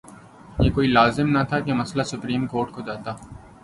یہ کوئی لازم نہ تھا کہ مسئلہ سپریم کورٹ کو جاتا۔